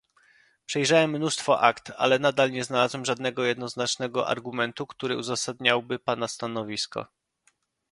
Przejrzałem mnóstwo akt, ale nadal nie znalazłem żadnego jednoznacznego argumentu, który uzasadniałby Pana stanowisko